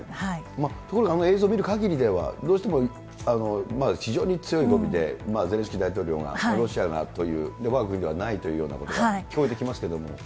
ところが映像を見るかぎりでは、どうしても非常に強い語尾でゼレンスキー大統領が、ロシアがという、わが国ではないというようなことが聞こえてきますけれども。